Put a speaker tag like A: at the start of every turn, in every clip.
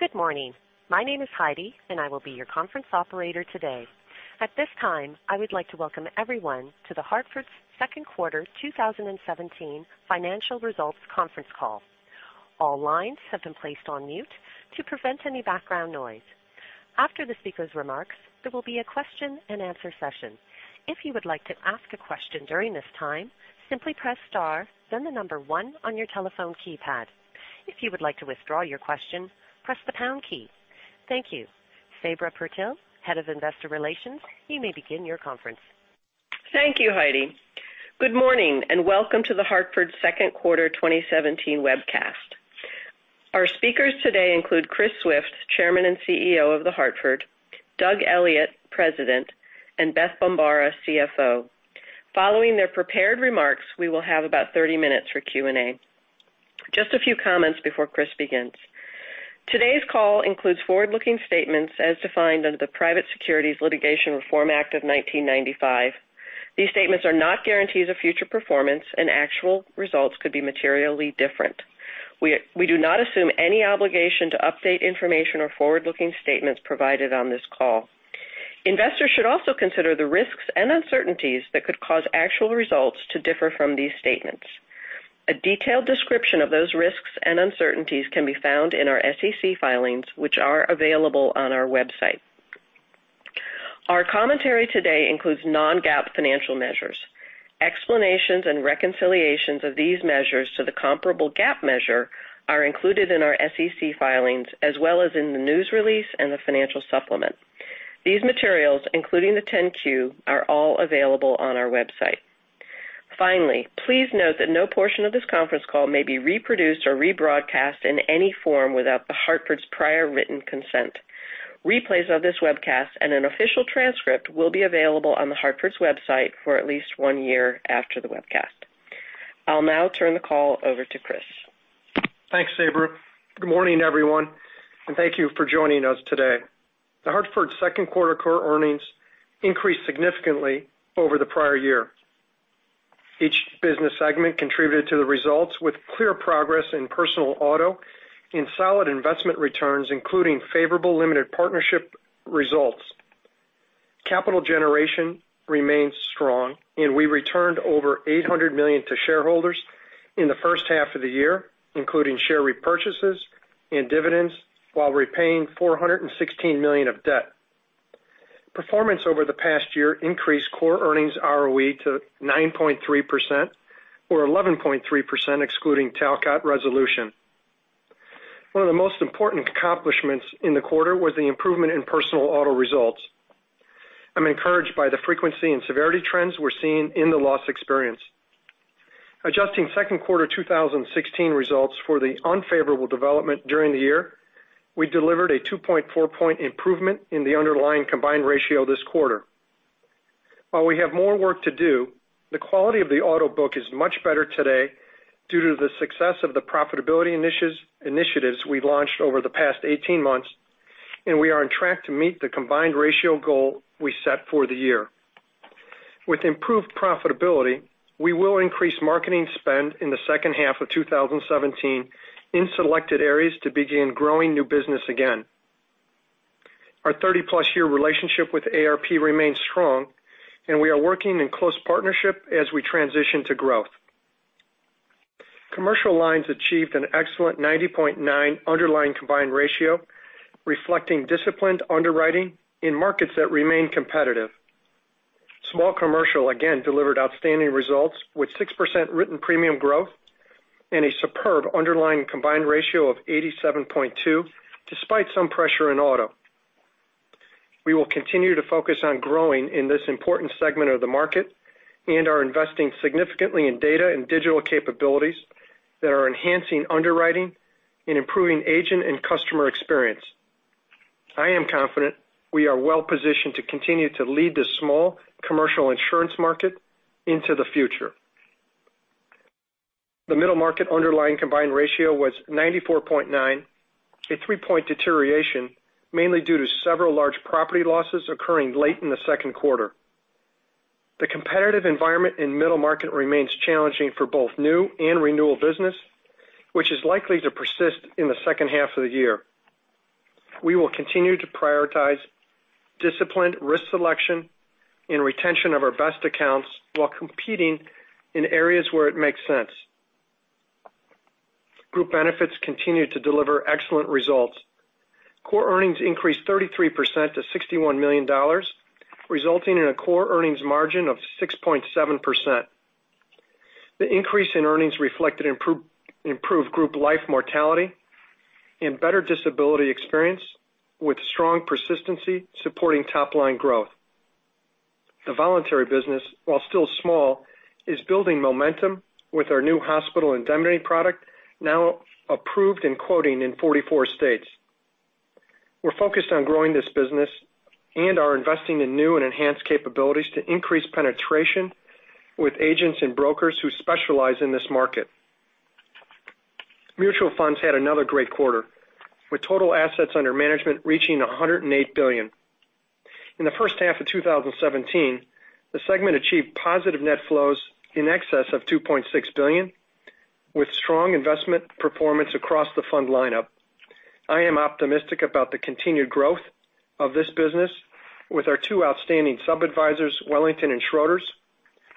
A: Good morning. My name is Heidi, and I will be your conference operator today. At this time, I would like to welcome everyone to The Hartford's second quarter 2017 financial results conference call. All lines have been placed on mute to prevent any background noise. After the speaker's remarks, there will be a question and answer session. If you would like to ask a question during this time, simply press star, then the number one on your telephone keypad. If you would like to withdraw your question, press the pound key. Thank you. Sabra Purtill, Head of Investor Relations, you may begin your conference.
B: Thank you, Heidi. Good morning and welcome to The Hartford's second quarter 2017 webcast. Our speakers today include Chris Swift, Chairman and CEO of The Hartford, Doug Elliot, President, and Beth Bombara, CFO. Following their prepared remarks, we will have about 30 minutes for Q&A. Just a few comments before Chris begins. Today's call includes forward-looking statements as defined under the Private Securities Litigation Reform Act of 1995. These statements are not guarantees of future performance, and actual results could be materially different. We do not assume any obligation to update information or forward-looking statements provided on this call. Investors should also consider the risks and uncertainties that could cause actual results to differ from these statements. A detailed description of those risks and uncertainties can be found in our SEC filings, which are available on our website. Our commentary today includes non-GAAP financial measures. Explanations and reconciliations of these measures to the comparable GAAP measure are included in our SEC filings as well as in the news release and the financial supplement. These materials, including the 10-Q, are all available on our website. Finally, please note that no portion of this conference call may be reproduced or rebroadcast in any form without The Hartford's prior written consent. Replays of this webcast and an official transcript will be available on The Hartford's website for at least one year after the webcast. I'll now turn the call over to Chris.
C: Thanks, Sabra. Good morning, everyone, and thank you for joining us today. The Hartford's second quarter core earnings increased significantly over the prior year. Each business segment contributed to the results with clear progress in personal auto and solid investment returns, including favorable limited partnership results. Capital generation remains strong, and we returned over $800 million to shareholders in the first half of the year, including share repurchases and dividends while repaying $416 million of debt. Performance over the past year increased core earnings ROE to 9.3%, or 11.3% excluding Talcott Resolution. One of the most important accomplishments in the quarter was the improvement in personal auto results. I'm encouraged by the frequency and severity trends we're seeing in the loss experience. Adjusting second quarter 2016 results for the unfavorable development during the year, we delivered a 2.4-point improvement in the underlying combined ratio this quarter. While we have more work to do, the quality of the auto book is much better today due to the success of the profitability initiatives we've launched over the past 18 months, and we are on track to meet the combined ratio goal we set for the year. With improved profitability, we will increase marketing spend in the second half of 2017 in selected areas to begin growing new business again. Our 30-plus year relationship with AARP remains strong, and we are working in close partnership as we transition to growth. Commercial Lines achieved an excellent 90.9 underlying combined ratio, reflecting disciplined underwriting in markets that remain competitive. Small Commercial again delivered outstanding results with 6% written premium growth and a superb underlying combined ratio of 87.2, despite some pressure in auto. We will continue to focus on growing in this important segment of the market and are investing significantly in data and digital capabilities that are enhancing underwriting and improving agent and customer experience. I am confident we are well-positioned to continue to lead the Small Commercial insurance market into the future. The Middle Market underlying combined ratio was 94.9, a three-point deterioration, mainly due to several large property losses occurring late in the second quarter. The competitive environment in Middle Market remains challenging for both new and renewal business, which is likely to persist in the second half of the year. We will continue to prioritize disciplined risk selection and retention of our best accounts while competing in areas where it makes sense. Group Benefits continued to deliver excellent results. Core earnings increased 33% to $61 million, resulting in a core earnings margin of 6.7%. The increase in earnings reflected improved group life mortality and better disability experience with strong persistency supporting top-line growth. The voluntary business, while still small, is building momentum with our new hospital indemnity product now approved and quoting in 44 states. We're focused on growing this business and are investing in new and enhanced capabilities to increase penetration with agents and brokers who specialize in this market. Mutual Funds had another great quarter, with total assets under management reaching $108 billion. In the first half of 2017, the segment achieved positive net flows in excess of $2.6 billion, with strong investment performance across the fund lineup. I am optimistic about the continued growth of this business with our two outstanding sub-advisers, Wellington and Schroders,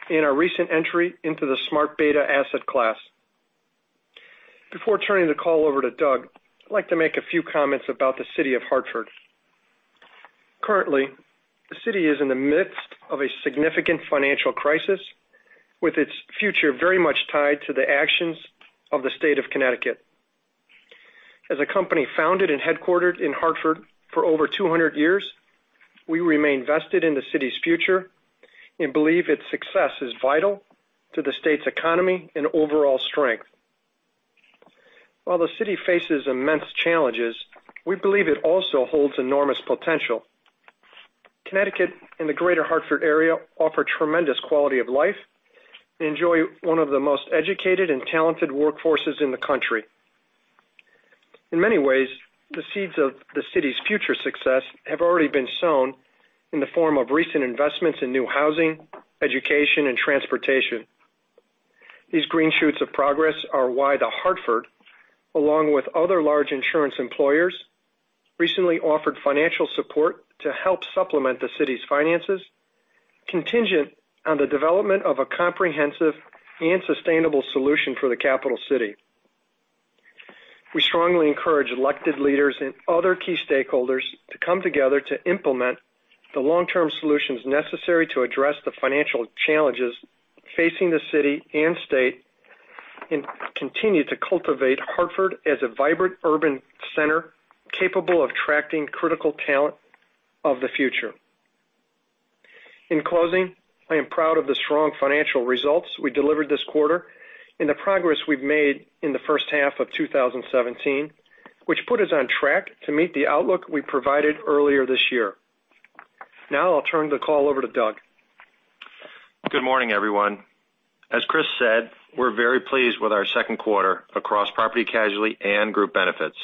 C: and our recent entry into the smart beta asset class. Before turning the call over to Doug, I'd like to make a few comments about the city of Hartford. Currently, the city is in the midst of a significant financial crisis, with its future very much tied to the actions of the state of Connecticut. As a company founded and headquartered in Hartford for over 200 years, we remain vested in the city's future and believe its success is vital to the state's economy and overall strength. While the city faces immense challenges, we believe it also holds enormous potential. Connecticut and the greater Hartford area offer tremendous quality of life and enjoy one of the most educated and talented workforces in the country. In many ways, the seeds of the city's future success have already been sown in the form of recent investments in new housing, education, and transportation. These green shoots of progress are why The Hartford, along with other large insurance employers, recently offered financial support to help supplement the city's finances, contingent on the development of a comprehensive and sustainable solution for the capital city. We strongly encourage elected leaders and other key stakeholders to come together to implement the long-term solutions necessary to address the financial challenges facing the city and state and continue to cultivate Hartford as a vibrant urban center capable of attracting critical talent of the future. In closing, I am proud of the strong financial results we delivered this quarter and the progress we've made in the first half of 2017, which put us on track to meet the outlook we provided earlier this year. Now I'll turn the call over to Doug.
D: Good morning, everyone. As Chris said, we're very pleased with our second quarter across property casualty and group benefits.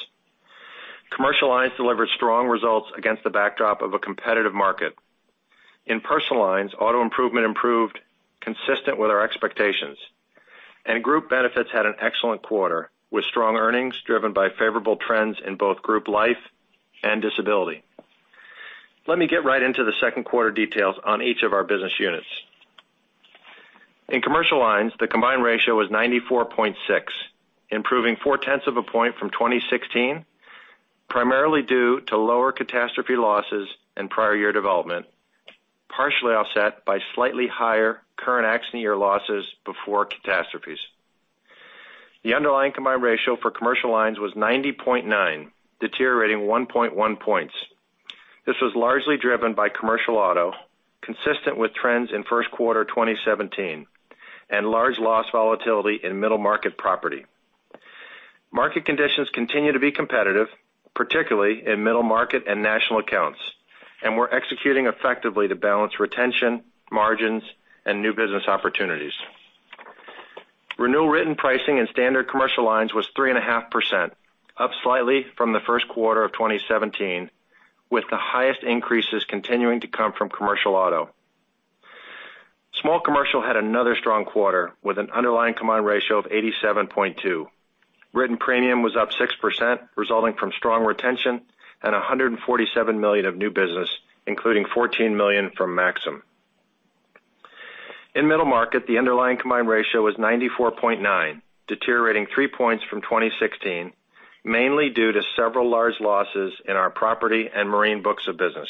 D: Commercial lines delivered strong results against the backdrop of a competitive market. In personal lines, auto improvement improved consistent with our expectations, and group benefits had an excellent quarter, with strong earnings driven by favorable trends in both group life and disability. Let me get right into the second quarter details on each of our business units. In commercial lines, the combined ratio was 94.6, improving four-tenths of a point from 2016, primarily due to lower catastrophe losses and prior year development, partially offset by slightly higher current accident year losses before catastrophes. The underlying combined ratio for commercial lines was 90.9, deteriorating 1.1 points. This was largely driven by commercial auto, consistent with trends in first quarter 2017, and large loss volatility in middle market property. Market conditions continue to be competitive, particularly in middle market and national accounts, and we're executing effectively to balance retention, margins, and new business opportunities. Renewal written pricing in standard commercial lines was 3.5%, up slightly from the first quarter of 2017, with the highest increases continuing to come from commercial auto. Small commercial had another strong quarter, with an underlying combined ratio of 87.2. Written premium was up 6%, resulting from strong retention and $147 million of new business, including $14 million from Maxum. In middle market, the underlying combined ratio was 94.9, deteriorating three points from 2016, mainly due to several large losses in our property and marine books of business.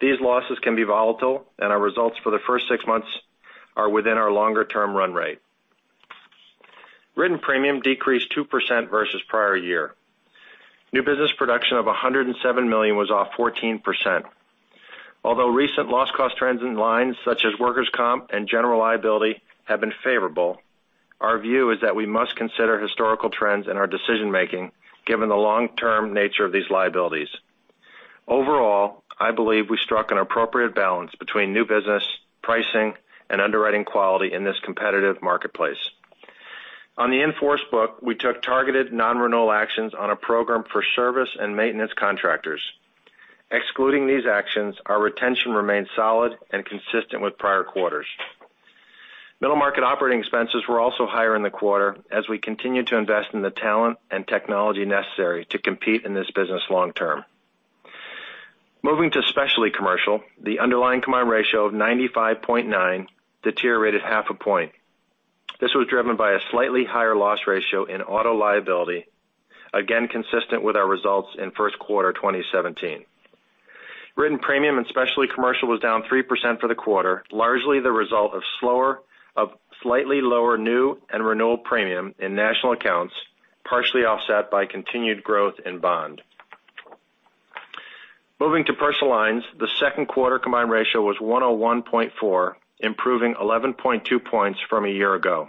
D: These losses can be volatile, and our results for the first six months are within our longer-term run rate. Written premium decreased 2% versus prior year. New business production of $107 million was off 14%. Although recent loss cost trends in lines such as workers' compensation and general liability have been favorable, our view is that we must consider historical trends in our decision-making given the long-term nature of these liabilities. Overall, I believe I struck an appropriate balance between new business, pricing, and underwriting quality in this competitive marketplace. On the in-force book, we took targeted non-renewal actions on a program for service and maintenance contractors. Excluding these actions, our retention remained solid and consistent with prior quarters. Middle market operating expenses were also higher in the quarter as we continued to invest in the talent and technology necessary to compete in this business long term. Moving to specialty commercial, the underlying combined ratio of 95.9 deteriorated half a point. This was driven by a slightly higher loss ratio in auto liability, again, consistent with our results in first quarter 2017. Written premium and specialty commercial was down 3% for the quarter, largely the result of slightly lower new and renewal premium in national accounts, partially offset by continued growth in bond. Moving to personal lines, the second quarter combined ratio was 101.4, improving 11.2 points from a year ago.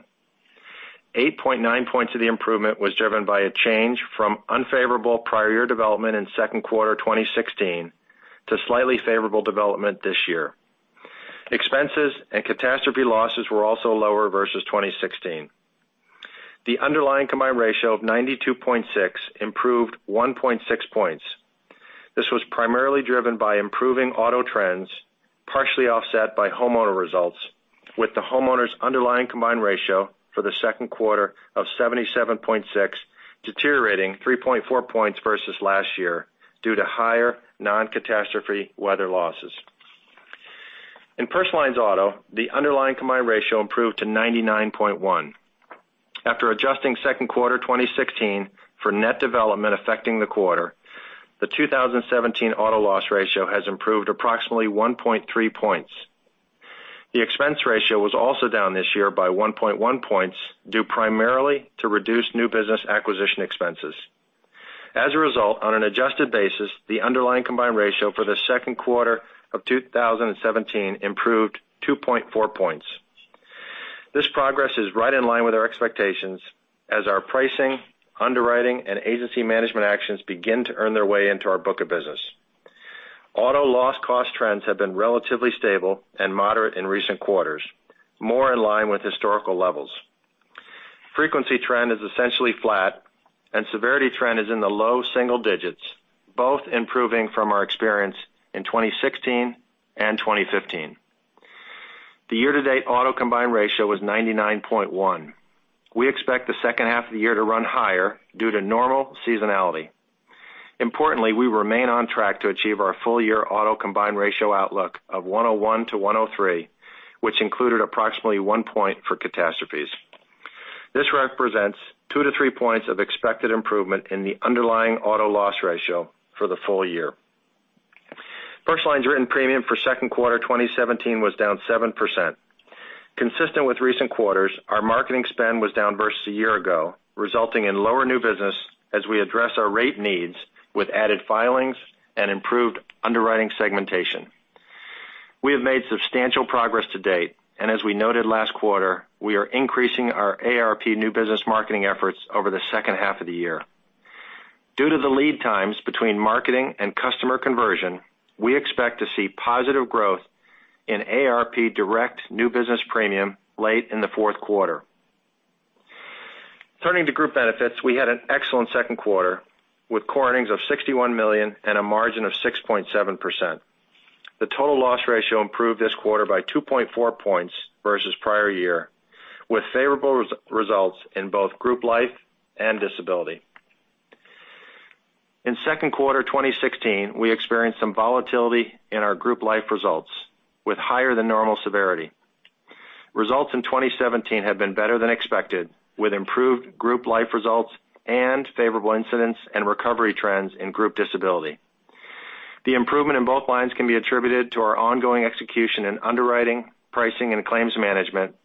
D: 8.9 points of the improvement was driven by a change from unfavorable prior year development in second quarter 2016 to slightly favorable development this year. Expenses and catastrophe losses were also lower versus 2016. The underlying combined ratio of 92.6 improved 1.6 points. This was primarily driven by improving auto trends, partially offset by homeowner results, with the homeowners' underlying combined ratio for the second quarter of 77.6 deteriorating 3.4 points versus last year due to higher non-catastrophe weather losses. In personal lines auto, the underlying combined ratio improved to 99.1. After adjusting second quarter 2016 for net development affecting the quarter, the 2017 auto loss ratio has improved approximately 1.3 points. The expense ratio was also down this year by 1.1 points, due primarily to reduced new business acquisition expenses. As a result, on an adjusted basis, the underlying combined ratio for the second quarter of 2017 improved 2.4 points. This progress is right in line with our expectations as our pricing, underwriting, and agency management actions begin to earn their way into our book of business. Auto loss cost trends have been relatively stable and moderate in recent quarters, more in line with historical levels. Frequency trend is essentially flat and severity trend is in the low single digits, both improving from our experience in 2016 and 2015. The year-to-date auto combined ratio was 99.1. We expect the second half of the year to run higher due to normal seasonality. Importantly, we remain on track to achieve our full-year auto combined ratio outlook of 101-103, which included approximately one point for catastrophes. This represents two to three points of expected improvement in the underlying auto loss ratio for the full year. Personal lines written premium for second quarter 2017 was down 7%. Consistent with recent quarters, our marketing spend was down versus a year ago, resulting in lower new business as we address our rate needs with added filings and improved underwriting segmentation. We have made substantial progress to date, and as we noted last quarter, we are increasing our AARP new business marketing efforts over the second half of the year. Due to the lead times between marketing and customer conversion, we expect to see positive growth in AARP Direct new business premium late in the fourth quarter. Turning to group benefits, we had an excellent second quarter with core earnings of $61 million and a margin of 6.7%. The total loss ratio improved this quarter by 2.4 points versus prior year, with favorable results in both group life and disability. In second quarter 2016, we experienced some volatility in our group life results with higher than normal severity. Results in 2017 have been better than expected, with improved group life results and favorable incidents and recovery trends in group disability. The improvement in both lines can be attributed to our ongoing execution in underwriting, pricing, and claims management,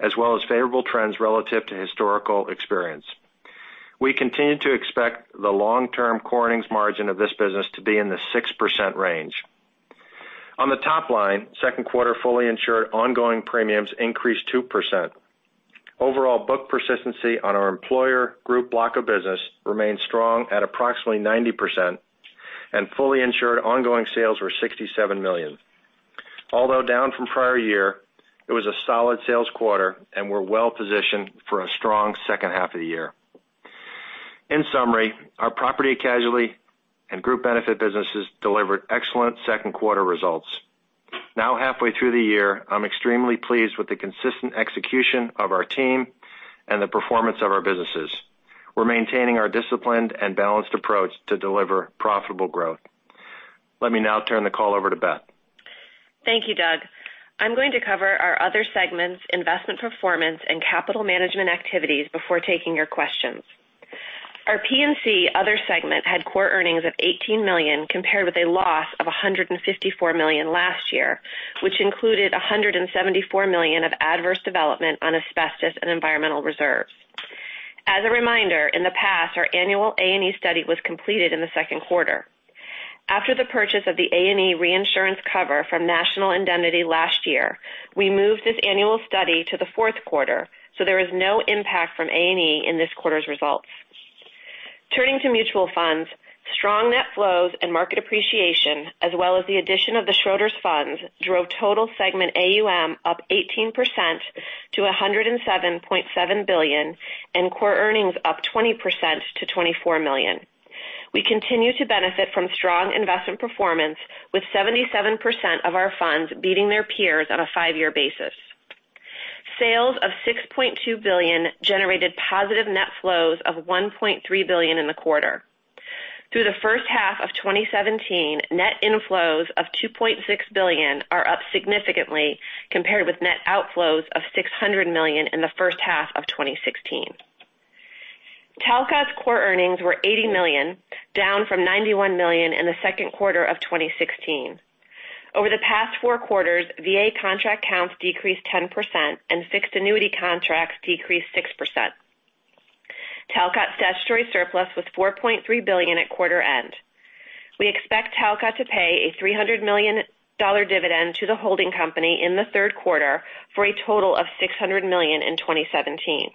D: as well as favorable trends relative to historical experience. We continue to expect the long-term core earnings margin of this business to be in the 6% range. On the top line, second quarter fully insured ongoing premiums increased 2%. Overall, book persistency on our employer group block of business remains strong at approximately 90%, and fully insured ongoing sales were $67 million. Although down from prior year, it was a solid sales quarter and we're well-positioned for a strong second half of the year. In summary, our Property and Casualty and group benefit businesses delivered excellent second quarter results. Now halfway through the year, I'm extremely pleased with the consistent execution of our team and the performance of our businesses. We're maintaining our disciplined and balanced approach to deliver profitable growth. Let me now turn the call over to Beth.
E: Thank you, Doug. I'm going to cover our other segments, investment performance, and capital management activities before taking your questions. Our P&C other segment had core earnings of $18 million, compared with a loss of $154 million last year, which included $174 million of adverse development on asbestos and environmental reserves. As a reminder, in the past, our annual A&E study was completed in the second quarter. After the purchase of the A&E reinsurance cover from National Indemnity last year, we moved this annual study to the fourth quarter, so there is no impact from A&E in this quarter's results. Turning to mutual funds, strong net flows and market appreciation, as well as the addition of the Schroders funds, drove total segment AUM up 18% to $107.7 billion and core earnings up 20% to $24 million. We continue to benefit from strong investment performance with 77% of our funds beating their peers on a five-year basis. Sales of $6.2 billion generated positive net flows of $1.3 billion in the quarter. Through the first half of 2017, net inflows of $2.6 billion are up significantly compared with net outflows of $600 million in the first half of 2016. Talcott Resolution's core earnings were $80 million, down from $91 million in the second quarter of 2016. Over the past four quarters, VA contract counts decreased 10% and fixed annuity contracts decreased 6%. Talcott Resolution's statutory surplus was $4.3 billion at quarter end. We expect Talcott Resolution to pay a $300 million dividend to the holding company in the third quarter for a total of $600 million in 2017.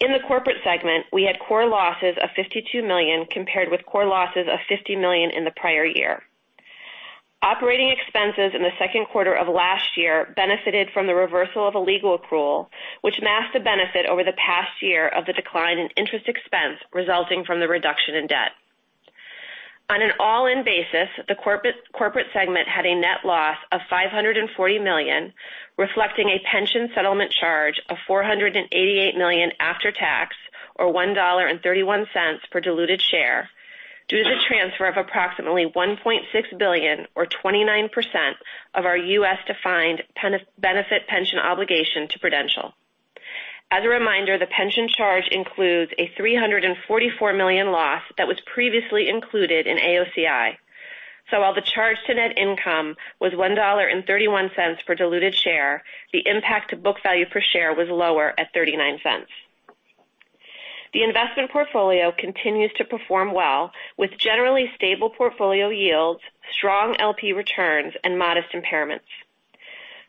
E: In the corporate segment, we had core losses of $52 million compared with core losses of $50 million in the prior year. Operating expenses in the second quarter of last year benefited from the reversal of a legal accrual, which masked the benefit over the past year of the decline in interest expense resulting from the reduction in debt. On an all-in basis, the corporate segment had a net loss of $540 million, reflecting a pension settlement charge of $488 million after tax, or $1.31 per diluted share, due to the transfer of approximately $1.6 billion or 29% of our U.S.-defined benefit pension obligation to Prudential. As a reminder, the pension charge includes a $344 million loss that was previously included in AOCI. While the charge to net income was $1.31 per diluted share, the impact to book value per share was lower at $0.39. The investment portfolio continues to perform well with generally stable portfolio yields, strong LP returns, and modest impairments.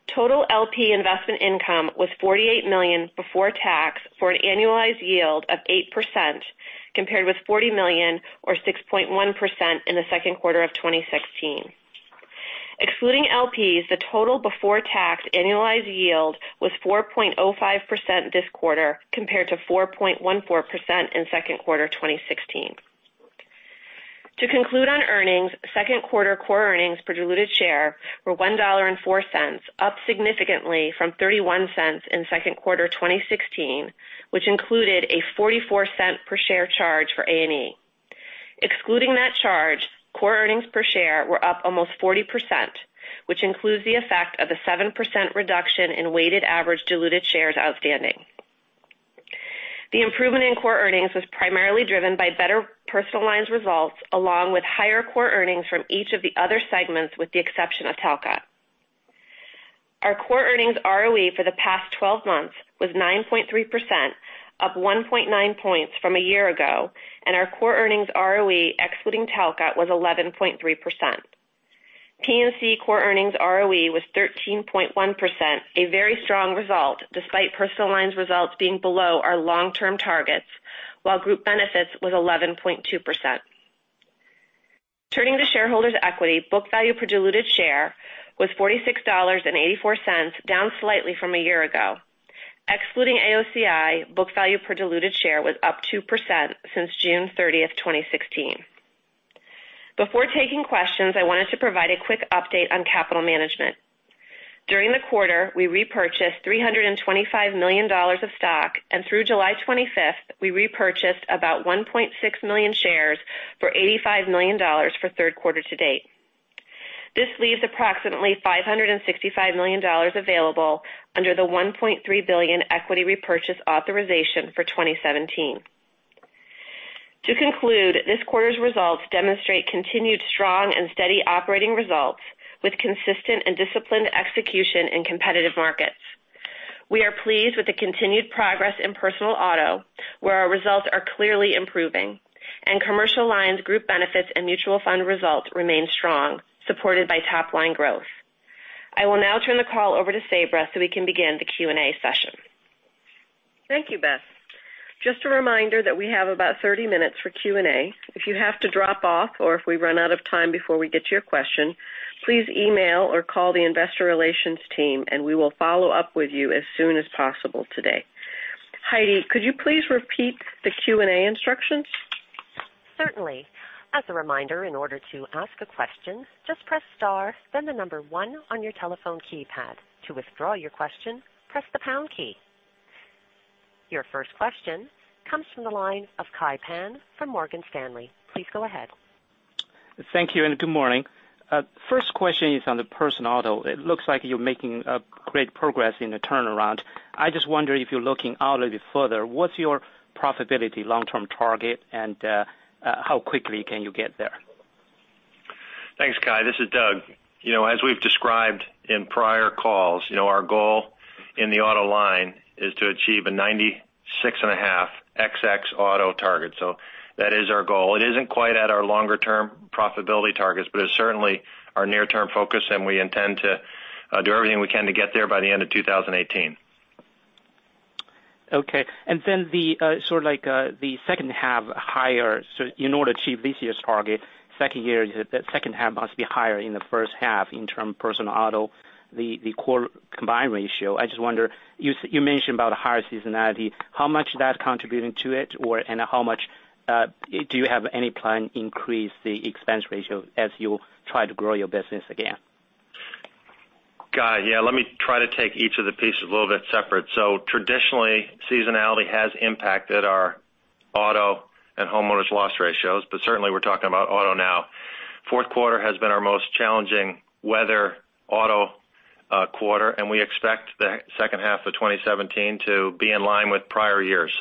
E: Total LP investment income was $48 million before tax for an annualized yield of 8%, compared with $40 million or 6.1% in the second quarter of 2016. Excluding LPs, the total before-tax annualized yield was 4.05% this quarter, compared to 4.14% in second quarter 2016. To conclude on earnings, second quarter core earnings per diluted share were $1.04, up significantly from $0.31 in second quarter 2016, which included a $0.44 per share charge for A&E. Excluding that charge, core earnings per share were up almost 40%, which includes the effect of a 7% reduction in weighted average diluted shares outstanding. The improvement in core earnings was primarily driven by better personal lines results, along with higher core earnings from each of the other segments, with the exception of Talcott Resolution. Our core earnings ROE for the past 12 months was 9.3%, up 1.9 points from a year ago, and our core earnings ROE excluding Talcott Resolution was 11.3%. P&C core earnings ROE was 13.1%, a very strong result despite personal lines results being below our long-term targets, while group benefits was 11.2%. Turning to shareholders' equity, book value per diluted share was $46.84, down slightly from a year ago. Excluding AOCI, book value per diluted share was up 2% since June 30th, 2016. Before taking questions, I wanted to provide a quick update on capital management. During the quarter, we repurchased $325 million of stock, and through July 25th, we repurchased about 1.6 million shares for $85 million for third quarter to date. This leaves approximately $565 million available under the $1.3 billion equity repurchase authorization for 2017. To conclude, this quarter's results demonstrate continued strong and steady operating results with consistent and disciplined execution in competitive markets. We are pleased with the continued progress in personal auto, where our results are clearly improving, and commercial lines, group benefits, and mutual fund results remain strong, supported by top-line growth. I will now turn the call over to Sabra so we can begin the Q&A session.
B: Thank you, Beth. Just a reminder that we have about 30 minutes for Q&A. If you have to drop off or if we run out of time before we get to your question, please email or call the investor relations team, and we will follow up with you as soon as possible today. Heidi, could you please repeat the Q&A instructions?
A: Certainly. As a reminder, in order to ask a question, just press star, then the number one on your telephone keypad. To withdraw your question, press the pound key. Your first question comes from the line of Kai Pan from Morgan Stanley. Please go ahead.
F: Thank you. Good morning. First question is on the personal auto. It looks like you're making great progress in the turnaround. I just wonder if you're looking out a little bit further, what's your profitability long-term target, and how quickly can you get there?
D: Thanks, Kai. This is Doug. As we've described in prior calls, our goal in the auto line is to achieve a 96.5 ex-cat auto target. That is our goal. It isn't quite at our longer-term profitability targets, but it's certainly our near-term focus, and we intend to do everything we can to get there by the end of 2018.
F: Okay. The second half higher. In order to achieve this year's target, second year, the second half must be higher in the first half in term personal auto, the core combined ratio. I just wonder, you mentioned about higher seasonality, how much that contributing to it, and do you have any plan increase the expense ratio as you try to grow your business again?
D: Kai, yeah, let me try to take each of the pieces a little bit separate. Traditionally, seasonality has impacted our auto and homeowners loss ratios, certainly we're talking about auto now. Fourth quarter has been our most challenging weather auto quarter, we expect the second half of 2017 to be in line with prior years.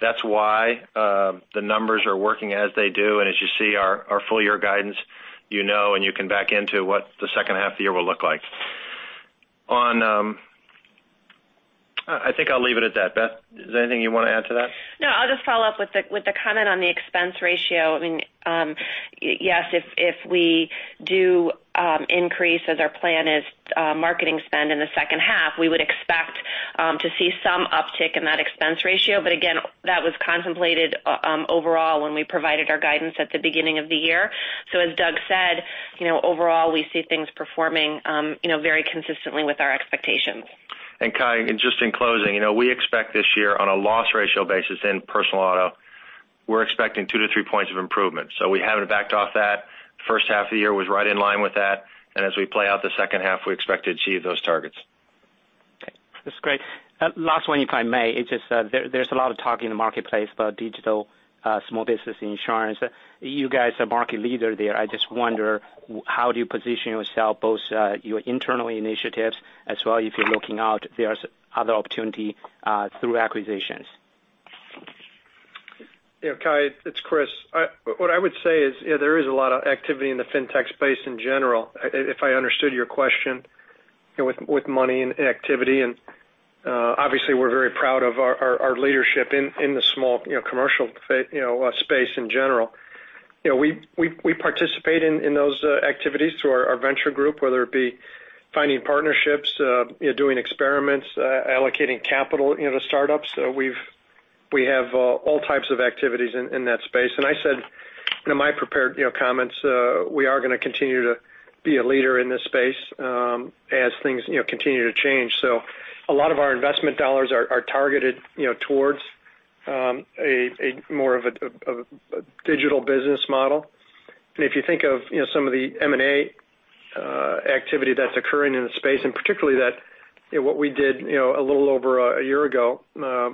D: That's why the numbers are working as they do, as you see our full year guidance, you know and you can back into what the second half of the year will look like. I think I'll leave it at that. Beth, is there anything you want to add to that?
E: No, I'll just follow up with the comment on the expense ratio. Yes, if we do increase as our plan is marketing spend in the second half, we would expect to see some uptick in that expense ratio. Again, that was contemplated overall when we provided our guidance at the beginning of the year. As Doug said, overall, we see things performing very consistently with our expectations.
D: Kai, just in closing, we expect this year on a loss ratio basis in personal auto, we're expecting two to three points of improvement. We haven't backed off that. The first half of the year was right in line with that, as we play out the second half, we expect to achieve those targets.
F: Okay. That's great. Last one, if I may, it's just there's a lot of talk in the marketplace about digital small business insurance. You guys are market leader there. I just wonder how do you position yourself, both your internal initiatives as well if you're looking out, there's other opportunity through acquisitions.
C: Kai, it's Chris. What I would say is, there is a lot of activity in the fintech space in general, if I understood your question, with money and activity. Obviously we're very proud of our leadership in the small commercial space in general. We participate in those activities through our venture group, whether it be finding partnerships, doing experiments, allocating capital into startups. We have all types of activities in that space. I said in my prepared comments, we are going to continue to be a leader in this space, as things continue to change. A lot of our investment dollars are targeted towards more of a digital business model. If you think of some of the M&A activity that's occurring in the space, and particularly what we did a little over a year ago,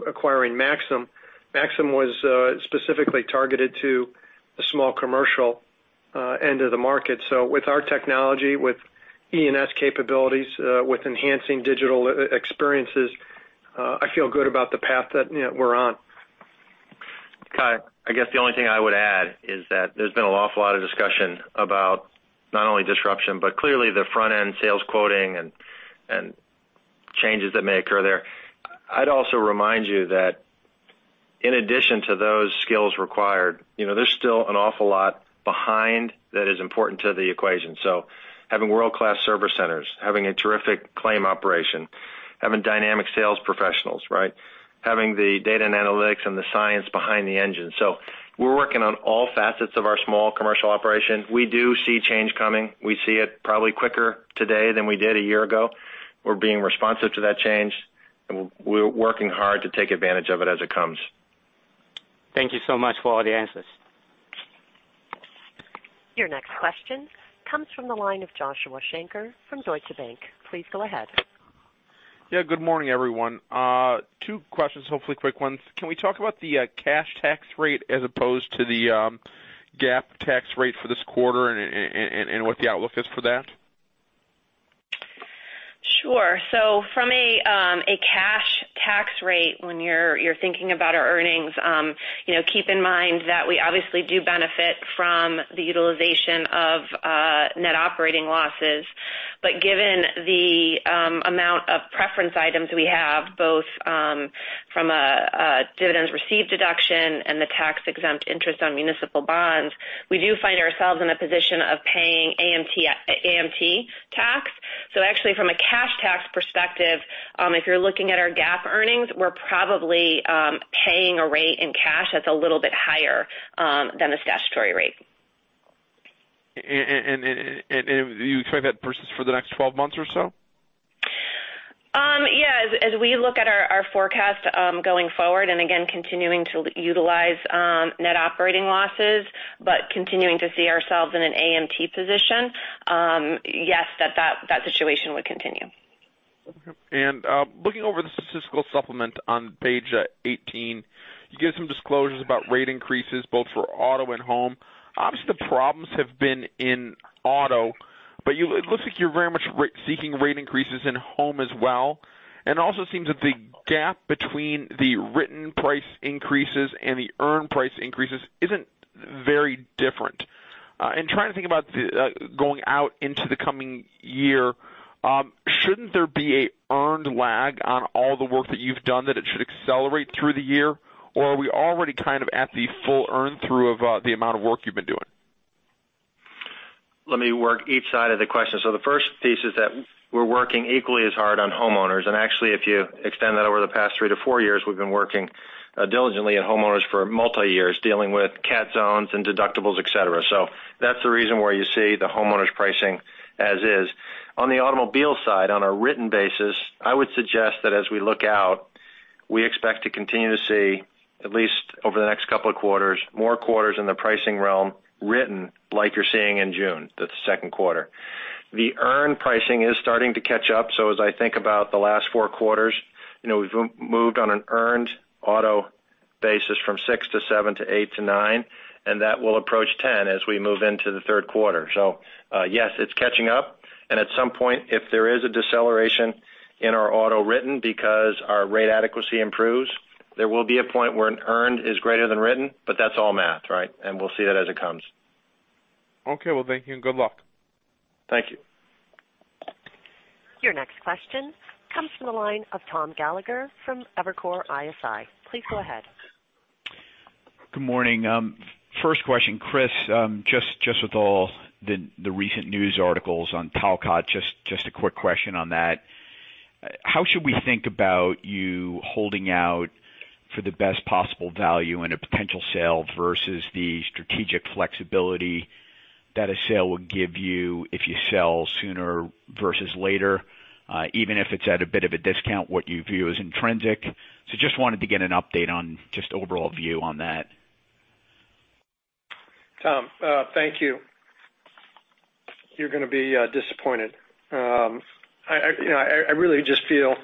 C: acquiring Maxum. Maxum was specifically targeted to the small commercial end of the market. With our technology, with E&S capabilities, with enhancing digital experiences, I feel good about the path that we're on.
D: Kai, I guess the only thing I would add is that there's been an awful lot of discussion about not only disruption, but clearly the front-end sales quoting and changes that may occur there. I'd also remind you that in addition to those skills required, there's still an awful lot behind that is important to the equation. Having world-class service centers, having a terrific claim operation, having dynamic sales professionals, right. Having the data and analytics and the science behind the engine. We're working on all facets of our small commercial operation. We do see change coming. We see it probably quicker today than we did a year ago. We're being responsive to that change, and we're working hard to take advantage of it as it comes.
F: Thank you so much for all the answers.
A: Your next question comes from the line of Joshua Shanker from Deutsche Bank. Please go ahead.
G: Yeah, good morning, everyone. Two questions, hopefully quick ones. Can we talk about the cash tax rate as opposed to the GAAP tax rate for this quarter and what the outlook is for that?
E: Sure. From a cash tax rate, when you're thinking about our earnings, keep in mind that we obviously do benefit from the utilization of net operating losses. Given the amount of preference items we have, both from a dividends received deduction and the tax-exempt interest on municipal bonds, we do find ourselves in a position of paying AMT tax. Actually from a cash tax perspective, if you're looking at our GAAP earnings, we're probably paying a rate in cash that's a little bit higher than the statutory rate.
G: Do you expect that to persist for the next 12 months or so?
E: Yes. As we look at our forecast going forward, again, continuing to utilize net operating losses, but continuing to see ourselves in an AMT position, yes, that situation would continue.
G: Okay. Looking over the statistical supplement on page 18, you give some disclosures about rate increases both for auto and home. Obviously, the problems have been in auto, but it looks like you're very much seeking rate increases in home as well, and it also seems that the gap between the written price increases and the earned price increases isn't very different. In trying to think about going out into the coming year, shouldn't there be an earned lag on all the work that you've done that it should accelerate through the year? Are we already at the full earn through of the amount of work you've been doing?
D: Let me work each side of the question. The first piece is that we're working equally as hard on homeowners. Actually, if you extend that over the past three to four years, we've been working diligently at homeowners for multi-years, dealing with cat zones and deductibles, et cetera. That's the reason why you see the homeowners pricing as is. On the automobile side, on a written basis, I would suggest that as we look out, we expect to continue to see, at least over the next couple of quarters, more quarters in the pricing realm written like you're seeing in June, that's the second quarter. The earned pricing is starting to catch up. As I think about the last four quarters, we've moved on an earned auto basis from six to seven to eight to nine, and that will approach 10 as we move into the third quarter. Yes, it's catching up, and at some point, if there is a deceleration in our auto written because our rate adequacy improves, there will be a point where an earned is greater than written, but that's all math, right? We'll see that as it comes.
G: Okay. Well, thank you and good luck.
D: Thank you.
A: Your next question comes from the line of Tom Gallagher from Evercore ISI. Please go ahead.
H: Good morning. First question, Chris, just with all the recent news articles on Talcott, just a quick question on that. How should we think about you holding out for the best possible value in a potential sale versus the strategic flexibility that a sale would give you if you sell sooner versus later? Even if it's at a bit of a discount, what you view as intrinsic. Just wanted to get an update on just overall view on that.
C: Tom, thank you. You're going to be disappointed. I really just feel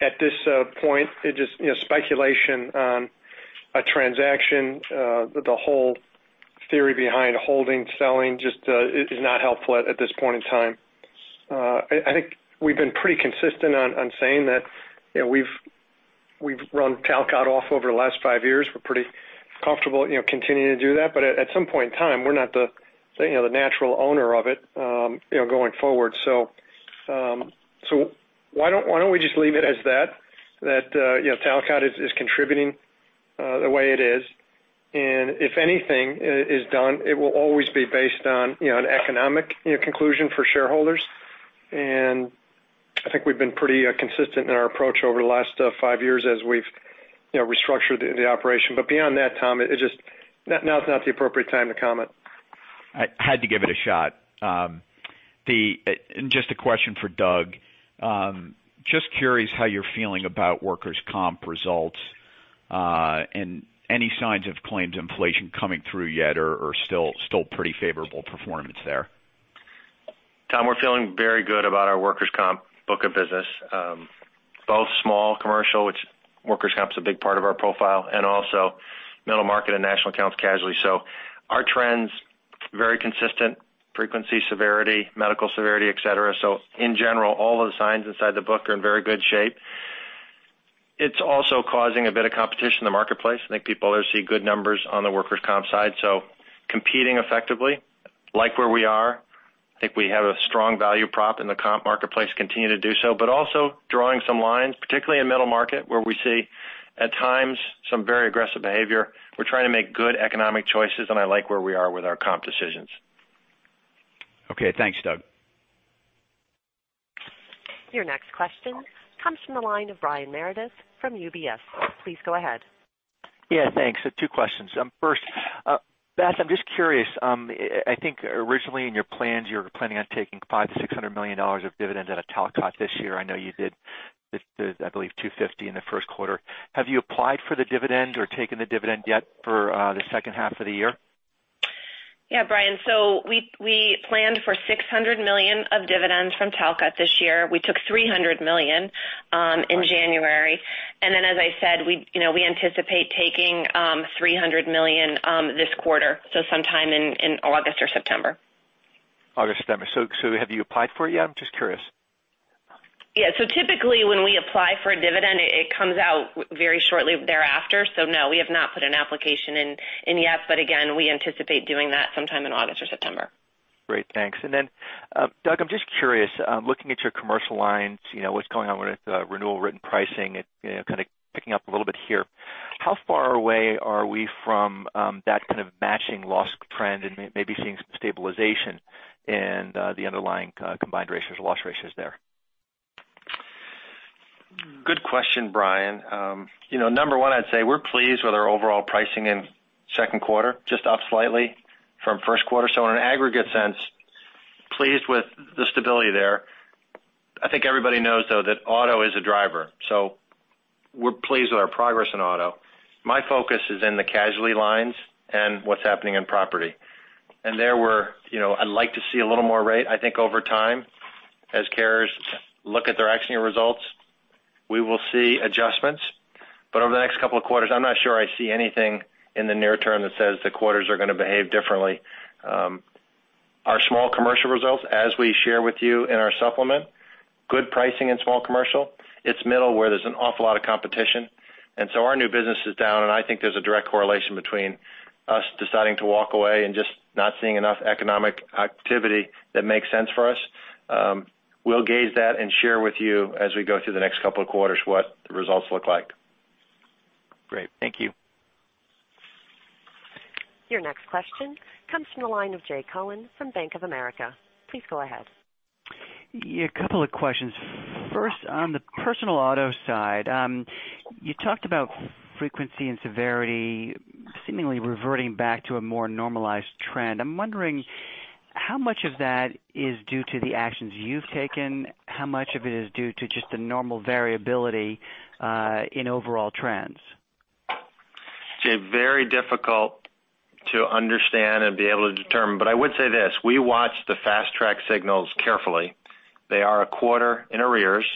C: at this point, it's just speculation on a transaction, the whole theory behind holding, selling, just is not helpful at this point in time. I think we've been pretty consistent on saying that we've run Talcott off over the last five years. We're pretty comfortable continuing to do that, but at some point in time, we're not the natural owner of it going forward. Why don't we just leave it as that? That Talcott is contributing the way it is, and if anything is done, it will always be based on an economic conclusion for shareholders, and I think we've been pretty consistent in our approach over the last five years as we've restructured the operation. Beyond that, Tom, now is not the appropriate time to comment.
H: I had to give it a shot. Just a question for Doug. Just curious how you're feeling about workers' compensation results, and any signs of claims inflation coming through yet or still pretty favorable performance there?
D: Tom, we're feeling very good about our workers' compensation book of business, both small commercial, which workers' compensation is a big part of our profile, and also middle market and national accounts casualty. Our trends, very consistent frequency, severity, medical severity, et cetera. In general, all the signs inside the book are in very good shape. It's also causing a bit of competition in the marketplace. I think people there see good numbers on the workers' compensation side. Competing effectively, like where we are. I think we have a strong value prop in the comp marketplace, continue to do so, but also drawing some lines, particularly in middle market, where we see, at times, some very aggressive behavior. We're trying to make good economic choices, and I like where we are with our comp decisions.
H: Okay, thanks, Doug.
A: Your next question comes from the line of Brian Meredith from UBS. Please go ahead.
I: Yeah, thanks. Two questions. First, Beth, I'm just curious. I think originally in your plans, you were planning on taking $500 million-$600 million of dividends out of Talcott this year. I know you did, I believe, 250 in the first quarter. Have you applied for the dividend or taken the dividend yet for the second half of the year?
E: Yeah, Brian. We planned for $600 million of dividends from Talcott this year. We took $300 million in January. As I said, we anticipate taking $300 million this quarter, sometime in August or September.
I: August, September. Have you applied for it yet? I'm just curious.
E: Yeah. Typically, when we apply for a dividend, it comes out very shortly thereafter. No, we have not put an application in yet. Again, we anticipate doing that sometime in August or September.
I: Great, thanks. Doug, I'm just curious, looking at your commercial lines, what's going on with renewal written pricing, it kind of picking up a little bit here. How far away are we from that kind of matching loss trend and maybe seeing some stabilization in the underlying combined ratios, loss ratios there?
D: Good question, Brian. Number one, I'd say we're pleased with our overall pricing in second quarter, just up slightly from first quarter. In an aggregate sense, pleased with the stability there. I think everybody knows, though, that auto is a driver. We're pleased with our progress in auto. My focus is in the casualty lines and what's happening in property. There, I'd like to see a little more rate. I think over time, as carriers look at their actual results, we will see adjustments. Over the next couple of quarters, I'm not sure I see anything in the near term that says the quarters are going to behave differently. Our small commercial results, as we share with you in our supplement, good pricing in small commercial. It's middle where there's an awful lot of competition. Our new business is down, and I think there's a direct correlation between us deciding to walk away and just not seeing enough economic activity that makes sense for us. We'll gauge that and share with you as we go through the next couple of quarters what the results look like.
I: Great. Thank you.
A: Your next question comes from the line of Jay Cohen from Bank of America. Please go ahead.
J: Yeah, couple of questions. First, on the personal auto side, you talked about frequency and severity seemingly reverting back to a more normalized trend. I'm wondering how much of that is due to the actions you've taken, how much of it is due to just the normal variability in overall trends?
D: Jay, very difficult to understand and be able to determine. I would say this, we watch the Fast Track signals carefully. They are a quarter in arrears,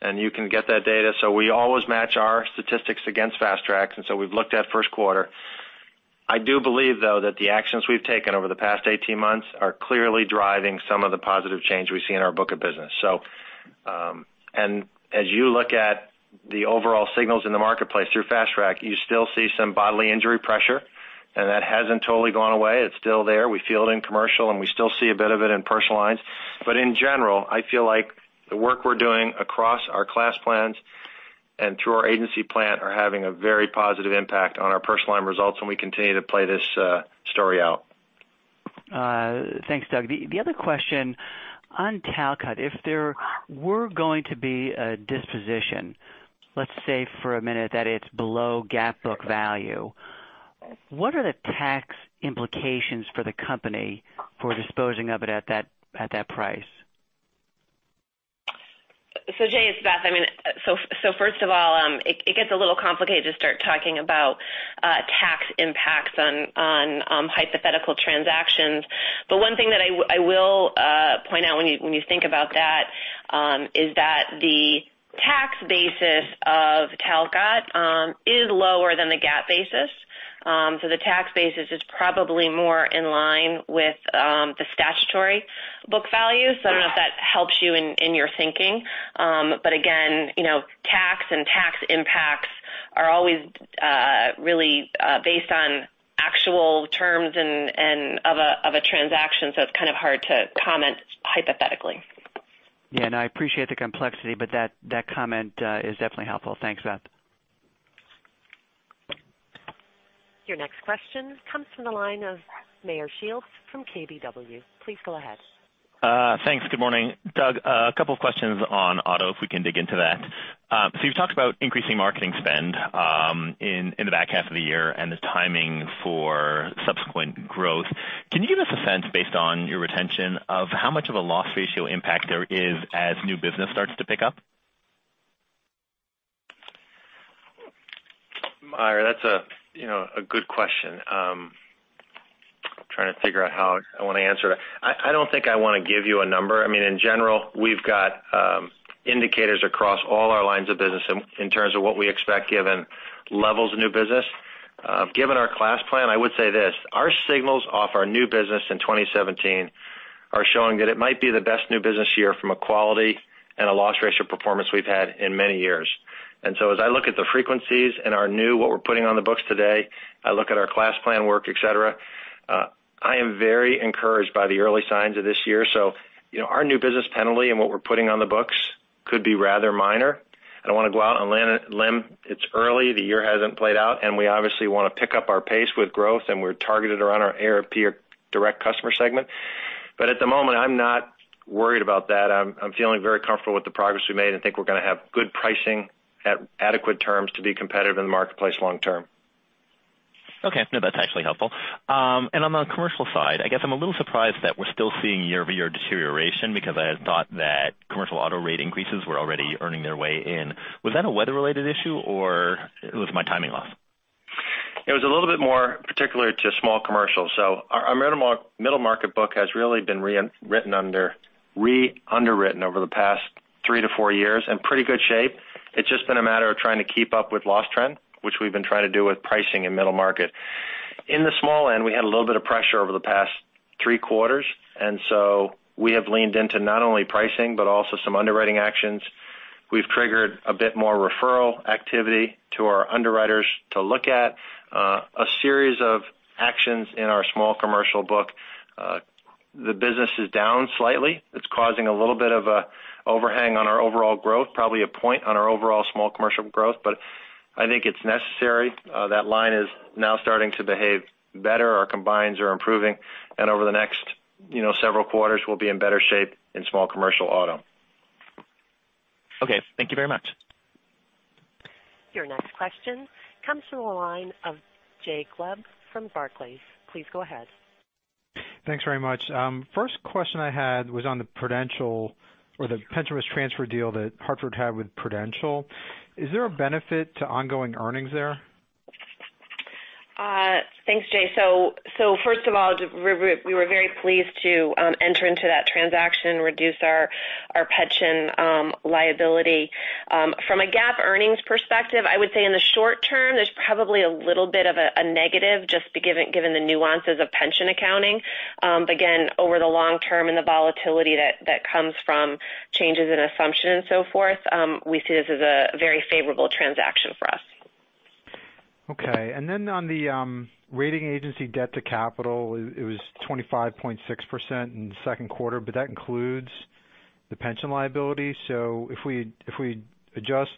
D: and you can get that data. We always match our statistics against Fast Track's, and so we've looked at first quarter. I do believe, though, that the actions we've taken over the past 18 months are clearly driving some of the positive change we see in our book of business. As you look at the overall signals in the marketplace through Fast Track, you still see some bodily injury pressure. That hasn't totally gone away. It's still there. We feel it in commercial, and we still see a bit of it in personal lines. In general, I feel like the work we're doing across our class plans and through our agency plan are having a very positive impact on our personal line results, and we continue to play this story out.
J: Thanks, Doug. The other question on Talcott, if there were going to be a disposition, let's say for a minute that it's below GAAP book value, what are the tax implications for the company for disposing of it at that price?
E: Jay, it's Beth. First of all, it gets a little complicated to start talking about tax impacts on hypothetical transactions. One thing that I will point out when you think about that, is that the tax basis of Talcott is lower than the GAAP basis. The tax basis is probably more in line with the statutory book value. I don't know if that helps you in your thinking. Again, tax and tax impacts are always really based on actual terms of a transaction, so it's kind of hard to comment hypothetically.
J: I appreciate the complexity, that comment is definitely helpful. Thanks, Beth.
A: Your next question comes from the line of Meyer Shields from KBW. Please go ahead.
K: Thanks. Good morning. Doug, a couple of questions on auto, if we can dig into that. You've talked about increasing marketing spend in the back half of the year and the timing for subsequent growth. Can you give us a sense, based on your retention, of how much of a loss ratio impact there is as new business starts to pick up?
D: Meyer, that's a good question. I'm trying to figure out how I want to answer that. I don't think I want to give you a number. In general, we've got indicators across all our lines of business in terms of what we expect given levels of new business. Given our class plan, I would say this. Our signals off our new business in 2017 are showing that it might be the best new business year from a quality and a loss ratio performance we've had in many years. As I look at the frequencies and our new, what we're putting on the books today, I look at our class plan work, et cetera, I am very encouraged by the early signs of this year. Our new business penalty and what we're putting on the books could be rather minor. I don't want to go out on a limb. It's early. The year hasn't played out, and we obviously want to pick up our pace with growth, and we're targeted around our AARP direct customer segment. At the moment, I'm not worried about that. I'm feeling very comfortable with the progress we made and think we're going to have good pricing at adequate terms to be competitive in the marketplace long term.
K: No, that's actually helpful. On the commercial side, I guess I'm a little surprised that we're still seeing year-over-year deterioration because I had thought that commercial auto rate increases were already earning their way in. Was that a weather-related issue, or it was my timing off?
D: It was a little bit more particular to small commercial. Our middle market book has really been re-underwritten over the past three to four years in pretty good shape. It's just been a matter of trying to keep up with loss trend, which we've been trying to do with pricing in middle market. In the small end, we had a little bit of pressure over the past three quarters, we have leaned into not only pricing, but also some underwriting actions. We've triggered a bit more referral activity to our underwriters to look at a series of actions in our small commercial book. The business is down slightly. It's causing a little bit of an overhang on our overall growth, probably a point on our overall small commercial growth, I think it's necessary. That line is now starting to behave better. Our combines are improving, and over the next several quarters, we'll be in better shape in small commercial auto.
K: Okay. Thank you very much.
A: Your next question comes from the line of Jay Gelb from Barclays. Please go ahead.
L: Thanks very much. First question I had was on the Prudential or the pension risk transfer deal that Hartford had with Prudential. Is there a benefit to ongoing earnings there?
E: Thanks, Jay. First of all, we were very pleased to enter into that transaction, reduce our pension liability. From a GAAP earnings perspective, I would say in the short term, there's probably a little bit of a negative just given the nuances of pension accounting. Again, over the long term and the volatility that comes from changes in assumption and so forth, we see this as a very favorable transaction for us.
L: Okay. On the rating agency debt to capital, it was 25.6% in the 2Q. That includes the pension liability. If we adjust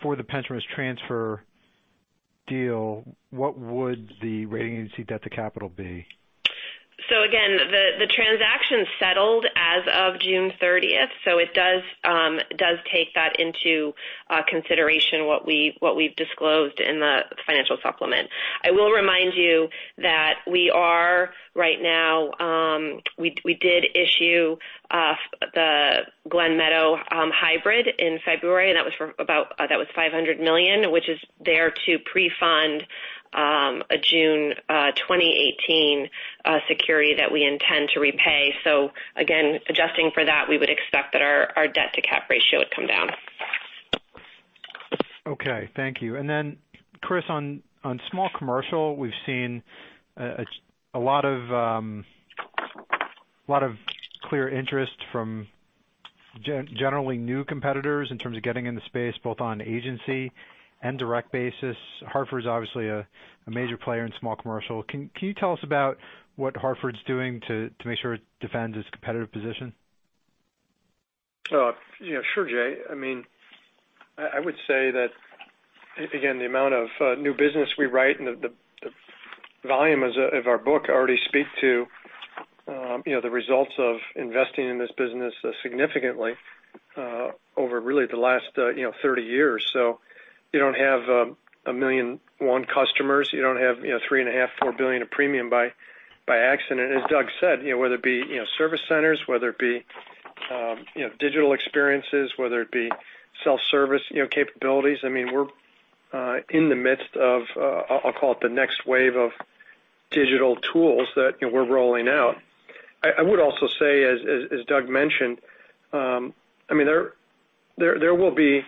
L: for the pension risk transfer deal, what would the rating agency debt to capital be?
E: Again, the transaction settled as of June 30th, so it does take that into consideration what we've disclosed in the financial supplement. I will remind you that we are right now, we did issue the Glen Meadow hybrid in February, and that was for about $500 million, which is there to pre-fund a June 2018 security that we intend to repay. Again, adjusting for that, we would expect that our debt-to-cap ratio would come down.
L: Okay. Thank you. Then Chris, on small commercial, we've seen a lot of clear interest from generally new competitors in terms of getting in the space, both on agency and direct basis. Hartford's obviously a major player in small commercial. Can you tell us about what Hartford's doing to make sure it defends its competitive position?
C: Sure, Jay. I would say that, again, the amount of new business we write and the volume of our book already speak to the results of investing in this business significantly over really the last 30 years. You don't have 1.1 million customers. You don't have $3.5 billion, $4 billion of premium by accident. As Doug said, whether it be service centers, whether it be digital experiences, whether it be self-service capabilities, we're in the midst of, I'll call it, the next wave of digital tools that we're rolling out. I would also say, as Doug mentioned, there will be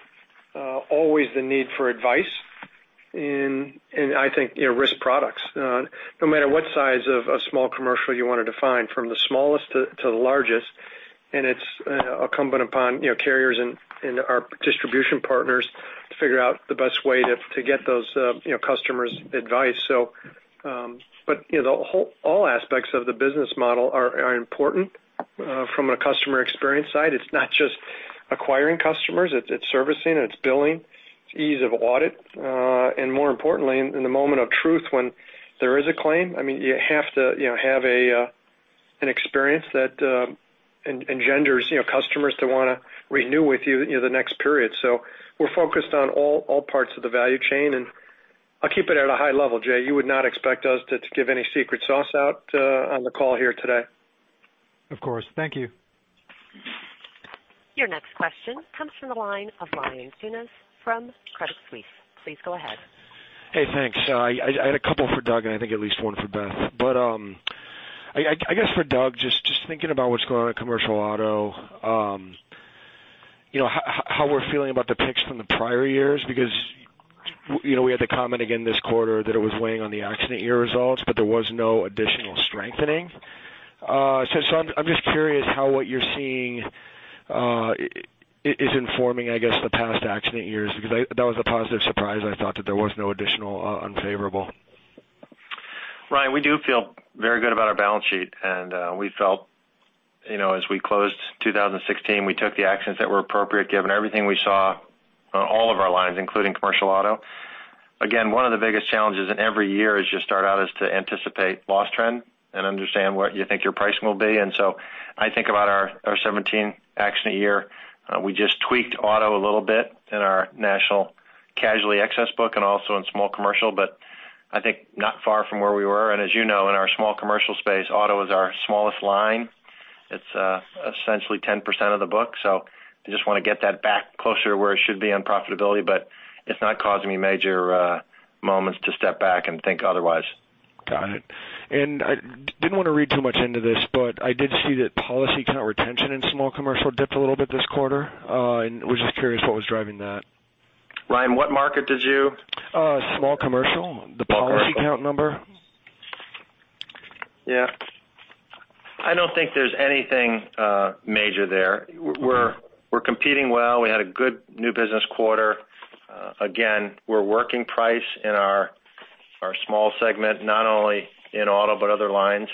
C: always the need for advice in, I think, risk products. No matter what size of a small commercial you want to define, from the smallest to the largest, it's incumbent upon carriers and our distribution partners to figure out the best way to get those customers advice. All aspects of the business model are important from a customer experience side. It's not just acquiring customers, it's servicing, and it's billing. It's ease of audit. More importantly, in the moment of truth, when there is a claim, you have to have an experience that engenders customers to want to renew with you the next period. We're focused on all parts of the value chain, and I'll keep it at a high level, Jay. You would not expect us to give any secret sauce out on the call here today.
L: Of course. Thank you.
A: Your next question comes from the line of Ryan Tunis from Credit Suisse. Please go ahead.
M: Hey, thanks. I had a couple for Doug, and I think at least one for Beth. I guess for Doug, just thinking about what's going on in commercial auto, how we're feeling about the picks from the prior years, because we had the comment again this quarter that it was weighing on the accident year results, there was no additional strengthening. I'm just curious how what you're seeing is informing, I guess, the past accident years, because that was a positive surprise. I thought that there was no additional unfavorable.
D: Ryan, we do feel very good about our balance sheet, and we felt, as we closed 2016, we took the actions that were appropriate given everything we saw on all of our lines, including commercial auto. Again, one of the biggest challenges in every year as you start out is to anticipate loss trend and understand what you think your pricing will be. I think about our 2017 accident year. We just tweaked auto a little bit in our national casualty excess book and also in small commercial, but I think not far from where we were. As you know, in our small commercial space, auto is our smallest line. It's essentially 10% of the book. We just want to get that back closer to where it should be on profitability, but it's not causing me major moments to step back and think otherwise.
M: Got it. I didn't want to read too much into this, but I did see that policy count retention in small commercial dipped a little bit this quarter. Was just curious what was driving that.
D: Ryan, what market did you-
M: Small commercial, the policy count number.
D: Yeah. I don't think there's anything major there. We're competing well. We had a good new business quarter. Again, we're working price in our small segment, not only in auto but other lines.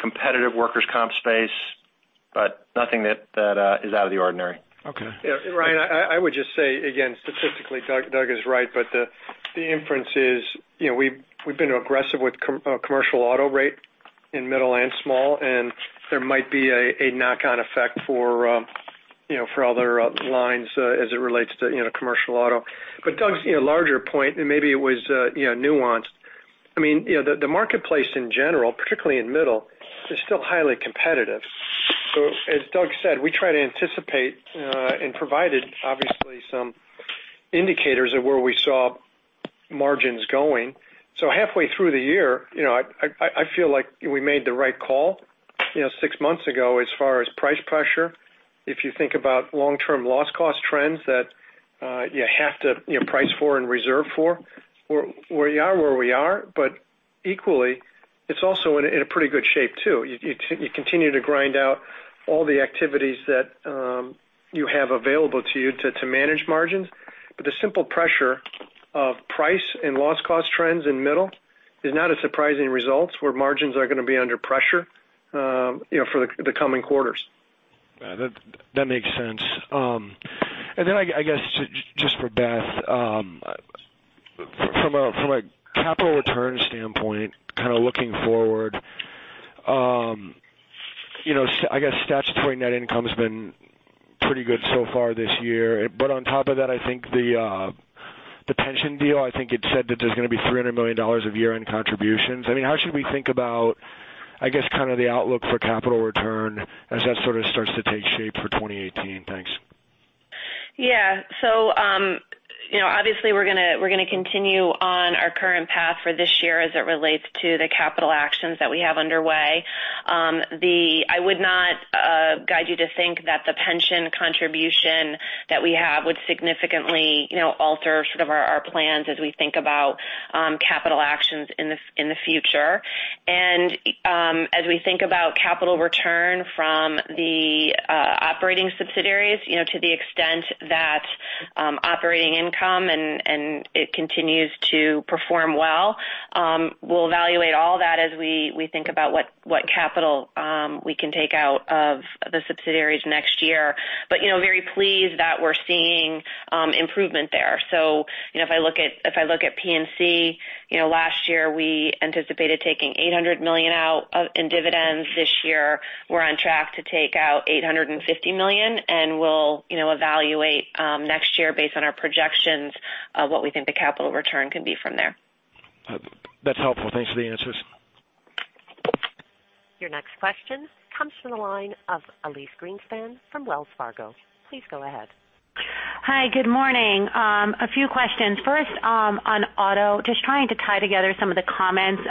D: Competitive workers' compensation space, but nothing that is out of the ordinary.
M: Okay.
C: Ryan, I would just say again, statistically, Doug is right, but the inference is we've been aggressive with commercial auto rate in middle and small, and there might be a knock-on effect for other lines as it relates to commercial auto. Doug's larger point, and maybe it was nuanced. The marketplace in general, particularly in middle, is still highly competitive. As Doug said, we try to anticipate and provided obviously some indicators of where we saw margins going. Halfway through the year, I feel like we made the right call six months ago as far as price pressure. If you think about long-term loss cost trends that you have to price for and reserve for, we are where we are. Equally, it's also in a pretty good shape, too. You continue to grind out all the activities that you have available to you to manage margins. The simple pressure of price and loss cost trends in middle is not a surprising result where margins are going to be under pressure for the coming quarters.
M: That makes sense. I guess just for Beth, from a capital return standpoint, looking forward, I guess statutory net income's been pretty good so far this year. On top of that, I think the pension deal, I think it said that there's going to be $300 million of year-end contributions. How should we think about, I guess the outlook for capital return as that sort of starts to take shape for 2018? Thanks.
E: Obviously we're going to continue on our current path for this year as it relates to the capital actions that we have underway. I would not guide you to think that the pension contribution that we have would significantly alter our plans as we think about capital actions in the future. As we think about capital return from the operating subsidiaries, to the extent that operating income and it continues to perform well. We'll evaluate all that as we think about what capital we can take out of the subsidiaries next year. Very pleased that we're seeing improvement there. If I look at P&C, last year we anticipated taking $800 million out in dividends. This year we're on track to take out $850 million, and we'll evaluate next year based on our projections of what we think the capital return can be from there.
M: That's helpful. Thanks for the answers.
A: Your next question comes from the line of Elyse Greenspan from Wells Fargo. Please go ahead.
N: Hi. Good morning. A few questions. First, on auto, just trying to tie together some of the comments.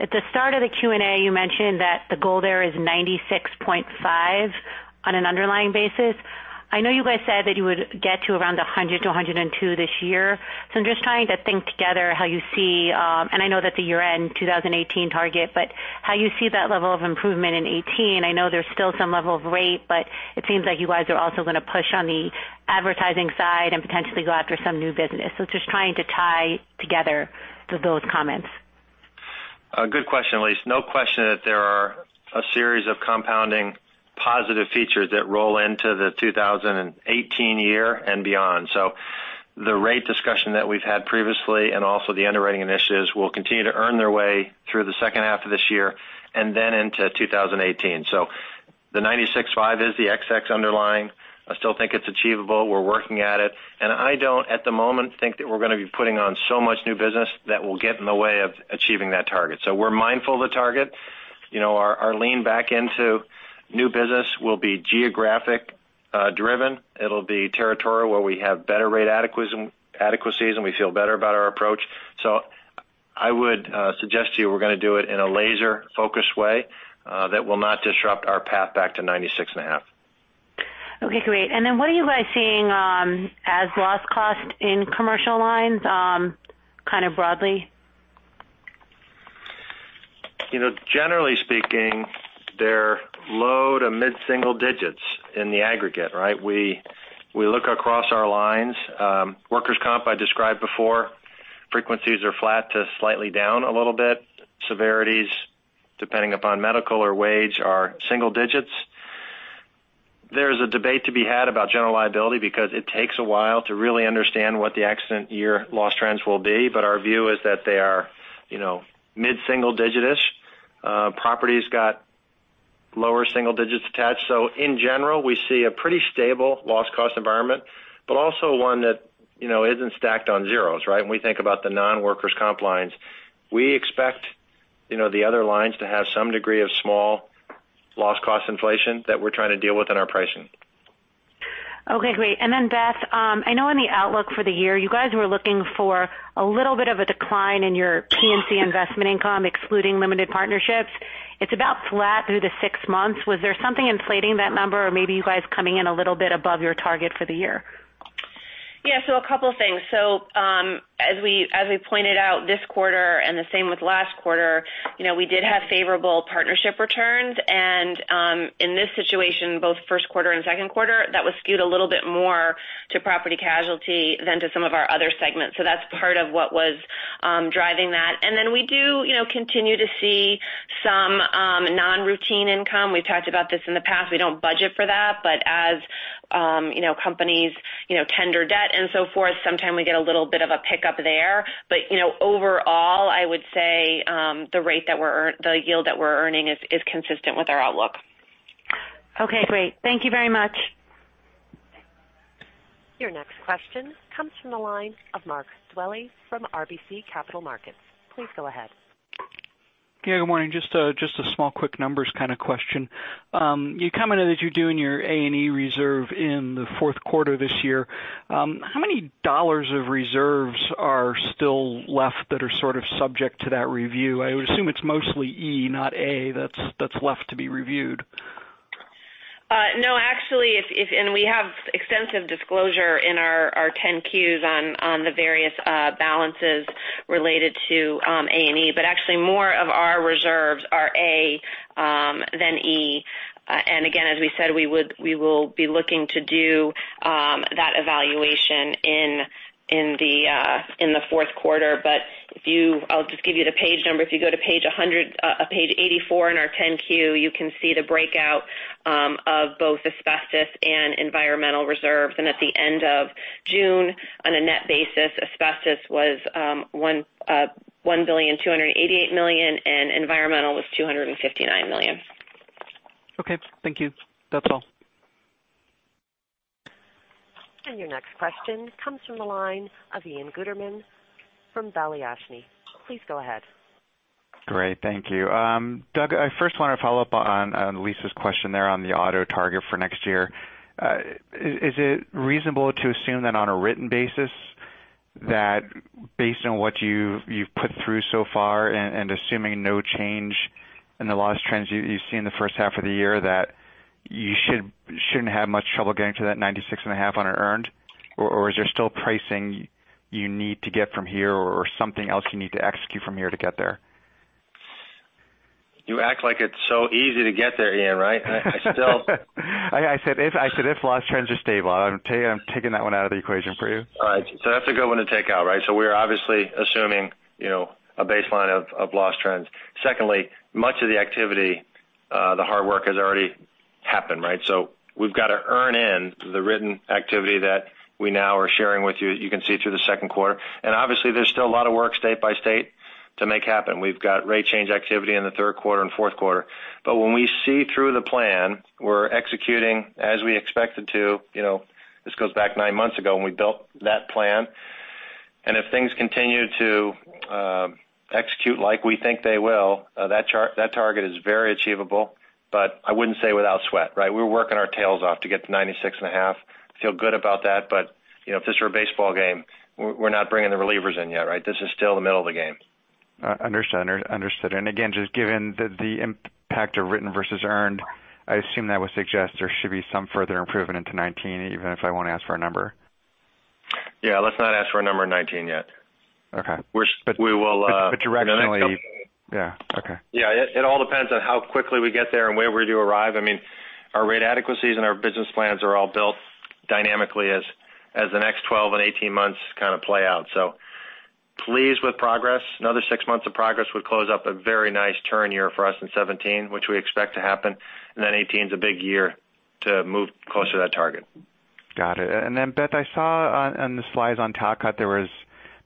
N: At the start of the Q&A, you mentioned that the goal there is 96.5 on an underlying basis. I know you guys said that you would get to around 100 to 102 this year. I'm just trying to think together how you see, and I know that the year-end 2018 target, but how you see that level of improvement in 2018. I know there's still some level of rate, but it seems like you guys are also going to push on the advertising side and potentially go after some new business. Just trying to tie together those comments.
D: Good question, Elyse. No question that there are a series of compounding positive features that roll into the 2018 year and beyond. The rate discussion that we've had previously, and also the underwriting initiatives, will continue to earn their way through the second half of this year and then into 2018. The 96.5 is the ex-cat underlying. I still think it's achievable. We're working at it, and I don't at the moment think that we're going to be putting on so much new business that will get in the way of achieving that target. We're mindful of the target. Our lean back into new business will be geographic-driven. It'll be territorial where we have better rate adequacies, and we feel better about our approach. I would suggest to you we're going to do it in a laser-focused way that will not disrupt our path back to 96.5.
N: Okay, great. What are you guys seeing as loss cost in commercial lines, kind of broadly?
D: Generally speaking, they're low to mid-single digits in the aggregate, right? We look across our lines. Workers' comp I described before. Frequencies are flat to slightly down a little bit. Severities, depending upon medical or wage, are single digits. There's a debate to be had about general liability because it takes a while to really understand what the current accident year loss trends will be. Our view is that they are mid-single digit-ish. Property's got lower single digits attached. In general, we see a pretty stable loss cost environment, but also one that isn't stacked on zeros, right? When we think about the non-workers' compensation lines, we expect the other lines to have some degree of small loss cost inflation that we're trying to deal with in our pricing.
N: Okay, great. Beth, I know in the outlook for the year, you guys were looking for a little bit of a decline in your P&C investment income, excluding limited partnerships. It's about flat through the six months. Was there something inflating that number, or maybe you guys coming in a little bit above your target for the year?
E: A couple things. As we pointed out this quarter and the same with last quarter, we did have favorable partnership returns, and in this situation, both first quarter and second quarter, that was skewed a little bit more to P&C than to some of our other segments. That's part of what was driving that. We do continue to see some non-routine income. We've talked about this in the past. We don't budget for that, but as companies tender debt and so forth, sometimes we get a little bit of a pickup there. Overall, I would say the yield that we're earning is consistent with our outlook.
N: Okay, great. Thank you very much.
A: Your next question comes from the line of Mark Dwelle from RBC Capital Markets. Please go ahead.
O: Good morning. Just a small quick numbers kind of question. You commented that you're doing your A&E reserve in the fourth quarter this year. How many dollars of reserves are still left that are sort of subject to that review? I would assume it's mostly E, not A, that's left to be reviewed.
E: No, actually, we have extensive disclosure in our 10-Qs on the various balances related to A&E, but actually more of our reserves are A than E. Again, as we said, we will be looking to do that evaluation in the fourth quarter. I'll just give you the page number. If you go to page 84 in our 10-Q, you can see the breakout of both asbestos and environmental reserves. At the end of June, on a net basis, asbestos was $1.288 billion, and environmental was $259 million.
O: Okay, thank you. That's all.
A: Your next question comes from the line of Ian Gutterman from Balyasny. Please go ahead.
P: Great. Thank you. Doug Elliot, I first want to follow up on Elyse's question there on the auto target for next year. Is it reasonable to assume that on a written basis, based on what you've put through so far, and assuming no change in the loss trends you see in the first half of the year, that you shouldn't have much trouble getting to that 96.5 on earned, or is there still pricing you need to get from here or something else you need to execute from here to get there?
D: You act like it's so easy to get there, Ian, right?
P: I said if loss trends are stable. I'm taking that one out of the equation for you.
D: That's a good one to take out, right? We're obviously assuming a baseline of loss trends. Secondly, much of the activity, the hard work has already happened, right? We've got to earn in the written activity that we now are sharing with you, as you can see through the second quarter. Obviously, there's still a lot of work state by state to make happen. We've got rate change activity in the third quarter and fourth quarter. When we see through the plan, we're executing as we expected to. This goes back nine months ago when we built that plan. If things continue to execute like we think they will, that target is very achievable, but I wouldn't say without sweat, right? We're working our tails off to get to 96.5. Feel good about that. If this were a baseball game, we're not bringing the relievers in yet, right? This is still the middle of the game.
P: Understood. Again, just given the impact of written versus earned, I assume that would suggest there should be some further improvement into 2019, even if I won't ask for a number.
D: Yeah, let's not ask for a number in 2019 yet.
P: Okay.
D: We will
P: Directionally. Yeah. Okay.
D: It all depends on how quickly we get there and where we do arrive. I mean, our rate adequacies and our business plans are all built dynamically as the next 12 and 18 months kind of play out. Pleased with progress. Another six months of progress would close up a very nice turn year for us in 2017, which we expect to happen. 2018's a big year to move closer to that target.
P: Got it. Beth, I saw on the slides on Talcott, there was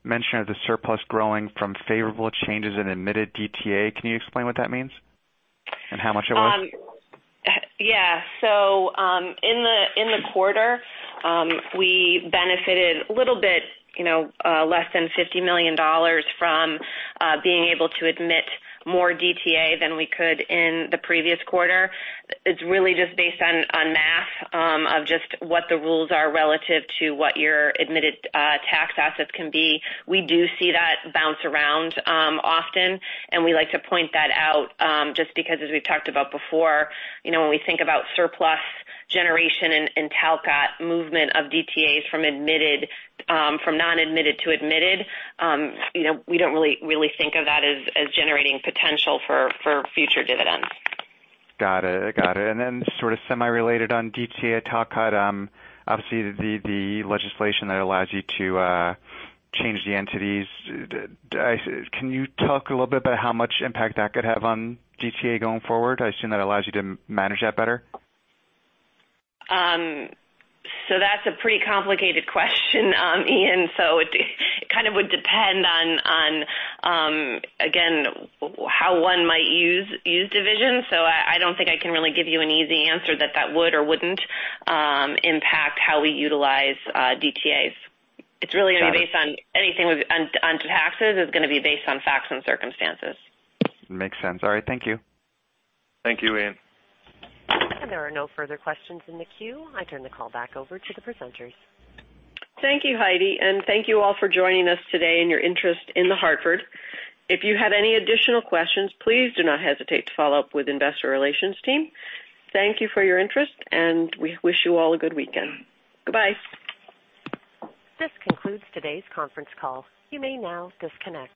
P: mention of the surplus growing from favorable changes in admitted DTA. Can you explain what that means and how much it was?
E: In the quarter, we benefited a little bit, less than $50 million from being able to admit more DTA than we could in the previous quarter. It's really just based on math, of just what the rules are relative to what your admitted tax assets can be. We do see that bounce around often, and we like to point that out, just because as we've talked about before, when we think about surplus generation and Talcott movement of DTAs from non-admitted to admitted, we don't really think of that as generating potential for future dividends.
P: Got it. Sort of semi-related on DTA Talcott, obviously the legislation that allows you to change the entities. Can you talk a little bit about how much impact that could have on DTA going forward? I assume that allows you to manage that better.
E: That's a pretty complicated question, Ian. It kind of would depend on, again, how one might use division. I don't think I can really give you an easy answer that would or wouldn't impact how we utilize DTAs. It's really going to be based on anything on taxes, it's going to be based on facts and circumstances.
P: Makes sense. All right. Thank you.
D: Thank you, Ian.
A: There are no further questions in the queue. I turn the call back over to the presenters.
B: Thank you, Heidi, and thank you all for joining us today and your interest in The Hartford. If you have any additional questions, please do not hesitate to follow up with investor relations team. Thank you for your interest, and we wish you all a good weekend. Goodbye.
A: This concludes today's conference call. You may now disconnect.